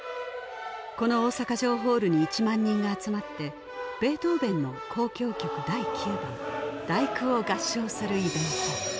この大阪城ホールに１万人が集まってベートーヴェンの「交響曲第９番」「第九」を合唱するイベント